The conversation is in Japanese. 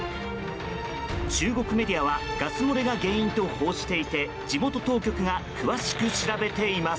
中国メディアはガス漏れが原因と報じていて地元当局が詳しく調べています。